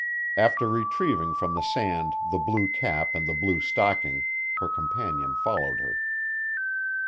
After retrieving from the sand the blue cap and the blue stocking, her companion followed her.